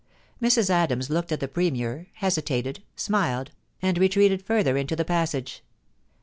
Mrs. Adams looked at the Premier, hesitated, smiled, and retreated further into the passage.